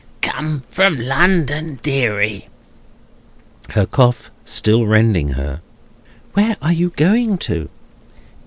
"Come from London, deary." (Her cough still rending her.) "Where are you going to?"